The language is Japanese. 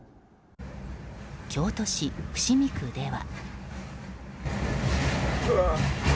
京都市伏見区では。